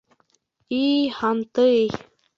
И... һантый!